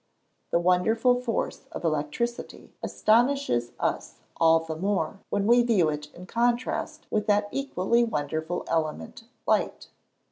The wonderful force of electricity astonishes us all the more when we view it in contrast with that equally wonderful element, light.